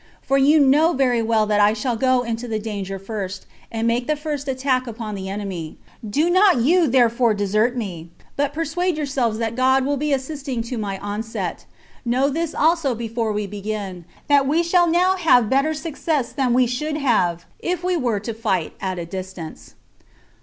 For you know very well that I shall go into the danger first, and make the first attack upon the enemy. Do not you therefore desert me, but persuade yourselves that God will be assisting to my onset. Know this also before we begin, that we shall now have better success than we should have, if we were to fight at a distance."